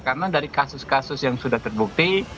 karena dari kasus kasus yang sudah terbukti